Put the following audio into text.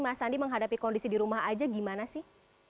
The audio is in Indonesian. mas andi menghadapi kondisi di rumah aja gimana sih